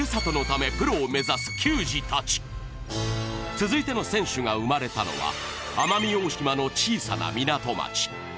続いての選手が生まれたのは奄美大島の小さな港町。